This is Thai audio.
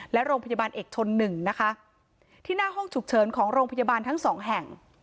และโรงพยาบาลเอกชนหนึ่งนะคะที่หน้าห้องฉุกเฉินของโรงพยาบาลทั้งสองแห่ง